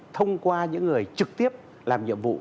thông qua những người trực tiếp làm nhiệm vụ